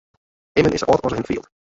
Immen is sa âld as er him fielt.